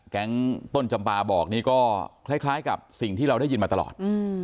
แก๊งต้นจำปาบอกนี่ก็คล้ายกับสิ่งที่เราได้ยินมาตลอด